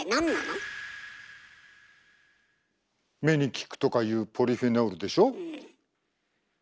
目に効くとかいうポリフェノールでしょ？